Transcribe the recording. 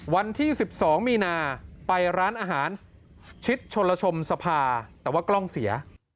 วันที่๑๒มีนาไปร้านอาหารชิดชนลชมสภาแต่ว่ากล้องเสีย